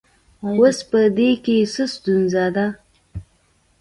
اوس په دې کې څه ستونزه ده